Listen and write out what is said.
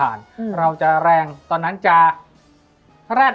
มันทำให้ชีวิตผู้มันไปไม่รอด